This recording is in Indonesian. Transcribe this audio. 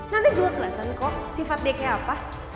nanti juga keliatan kok sifat dia kayak apa